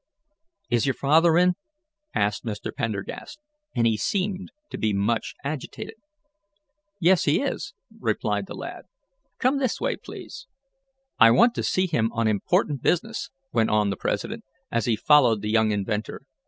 "Is your father in?" asked Mr. Pendergast, and he seemed to be much agitated. "Yes, he is," replied the lad. "Come this way, please." "I want to see him on important business," went on the president, as he followed the young inventor.